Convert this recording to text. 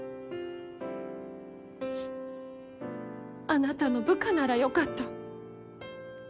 あなたの部下ならよかった。